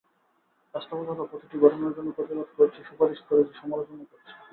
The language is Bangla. বাস্তবতা হলো, প্রতিটি ঘটনার জন্য প্রতিবাদ করছি, সুপারিশ করেছি, সমালোচনা করছি।